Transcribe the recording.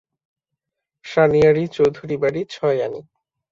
শানিয়াড়ি, চৌধুরীবাড়ি, ছয় আনি!